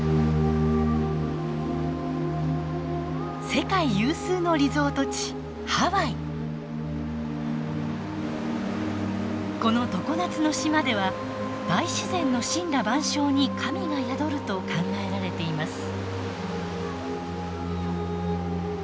世界有数のリゾート地この常夏の島では大自然の森羅万象に神が宿ると考えられています。